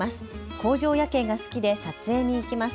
工場夜景が好きで撮影に行きます。